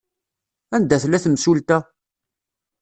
Anda tella temsulta?